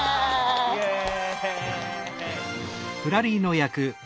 イエイ！